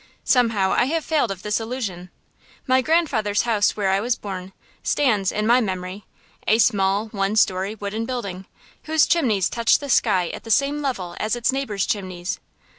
Somehow I have failed of this illusion. My grandfather's house, where I was born, stands, in my memory, a small, one story wooden building, whose chimneys touch the sky at the same level as its neighbors' chimneys.